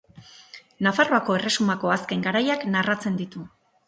Nafarroako erresumako azken garaiak narratzen ditu.